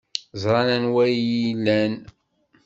Ẓran anwa ay iyi-ilan.